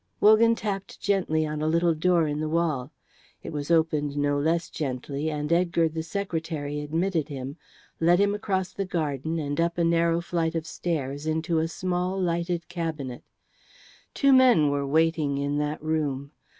Wogan tapped gently on a little door in the wall. It was opened no less gently, and Edgar the secretary admitted him, led him across the garden and up a narrow flight of stairs into a small lighted cabinet. Two men were waiting in that room.